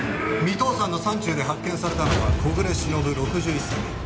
三頭山の山中で発見されたのは小暮しのぶ６１歳。